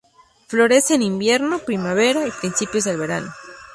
Florece en invierno, primavera y principios del verano.